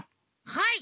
はい。